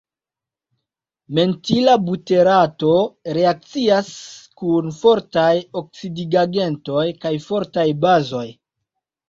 Mentila buterato reakcias kun fortaj oksidigagentoj kaj fortaj bazoj.